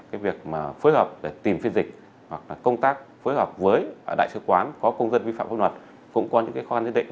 cái việc mà phối hợp để tìm phiên dịch hoặc là công tác phối hợp với đại sứ quán có công dân vi phạm pháp luật cũng có những cái khoan nhất định